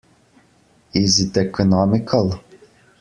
Is it economical?